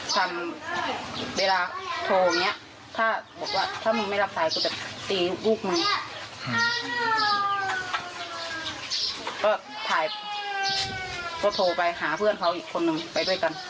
ก็เอาลูกมาก็โทษไปหาเพื่อนเค้าอีกคนไปด้วยกัน